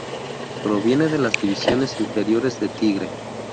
Proviene de las divisiones inferiores de Tigre.